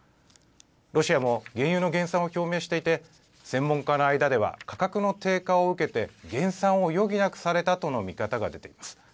ロシアも原油の減産を表明していて専門家の間では価格の低下を受けて減産を余儀なくされたとの見方が出ています。